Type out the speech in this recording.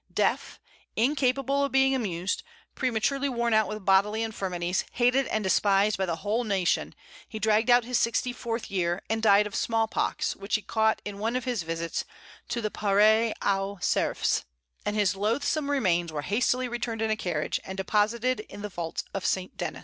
Deaf, incapable of being amused, prematurely worn out with bodily infirmities, hated and despised by the whole nation, he dragged out his sixty fourth year, and died of the small pox, which he caught in one of his visits to the Pare aux Cerfs; and his loathsome remains were hastily hurried into a carriage, and deposited in the vaults of St. Denis.